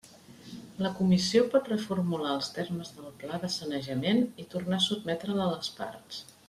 La Comissió pot reformular els termes del pla de sanejament i tornar a sotmetre'l a les parts.